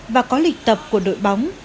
và có lịch tập của đội bóng